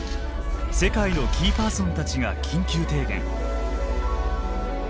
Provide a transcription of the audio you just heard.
世界のキーパーソンたちが緊急提言。